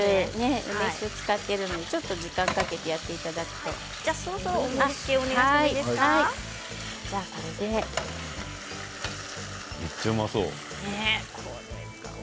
梅酒を使っているのでちょっと時間をかけて盛りつけをお願いしてもめっちゃうまそう。